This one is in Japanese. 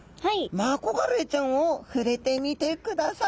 マコガレイちゃんを触れてみてください。